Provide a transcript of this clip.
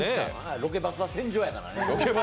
ロケバスは戦場やからね。